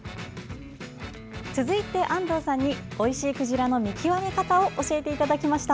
続いて安藤さんにおいしいクジラの見極め方を教えていただきました。